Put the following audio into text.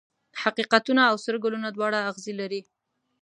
حقیقتونه او سره ګلونه دواړه اغزي لري.